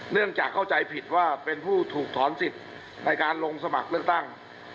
เนื่องจากเข้าใจผิดว่าเป็นผู้ถูกถอนสิทธิ์ในการลงสมัครเลือกตั้ง